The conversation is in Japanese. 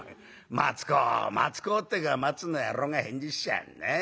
『松公松公』ってえから松の野郎が返事しやるね。